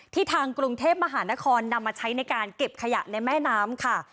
ทางกรุงเทพมหานครนำมาใช้ในการเก็บขยะในแม่น้ำค่ะ